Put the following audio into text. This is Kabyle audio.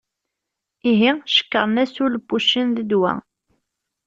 Ihi, cekkṛen-as ul n wuccen d ddwa.